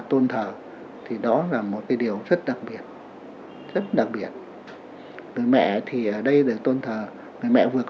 tôn thờ thì đó là một cái điều rất đặc biệt rất đặc biệt từ mẹ thì ở đây là tôn thờ mẹ vừa